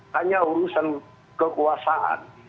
hanya urusan kekuasaan